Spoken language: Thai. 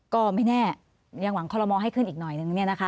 ก็ไม่แน่ยังหวังข้อละมองให้ขึ้นอีกหน่อยนึง